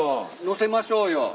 載せましょうよ。